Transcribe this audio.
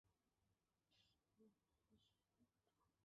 双眼刺仿刺铠虾为铠甲虾科仿刺铠虾属下的一个种。